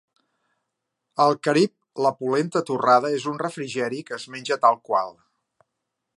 Al Carib, la polenta torrada és un refrigeri que es menja tal qual.